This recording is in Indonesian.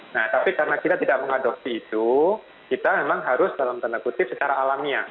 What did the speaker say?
nah tapi karena kita tidak mengadopsi itu kita memang harus dalam tanda kutip secara alamiah